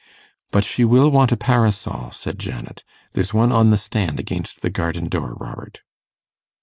'But she will want a parasol,' said Janet. 'There's one on the stand against the garden door, Robert.